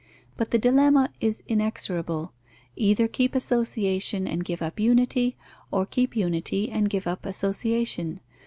But the dilemma is inexorable: either keep association and give up unity, or keep unity and give up association.